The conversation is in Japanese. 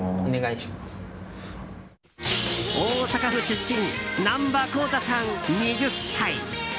大阪府出身難波輝大さん、２０歳。